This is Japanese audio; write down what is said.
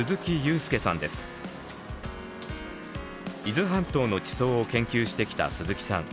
伊豆半島の地層を研究してきた鈴木さん。